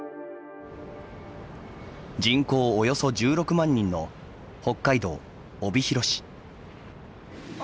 人口およそ１６万人の北海道・帯広市。